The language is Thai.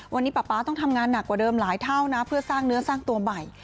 วันนี้ป๊าป๊าต้องทำงานหนักกว่าเดิมหลายเท่านะเพื่อสร้างเนื้อสร้างตัวใหม่